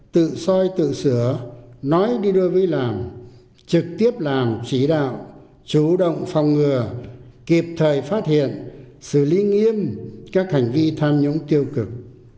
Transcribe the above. tự soi tự sửa nói đi đôi với làm trực tiếp làm chỉ đạo chủ động phòng ngừa kịp thời phát hiện xử lý nghiêm các hành vi tham nhũng tiêu cực